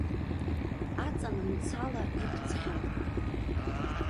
Аҵан мцала иқәҵхьан.